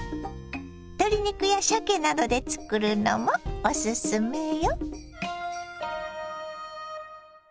鶏肉やしゃけなどで作るのもおすすめよ。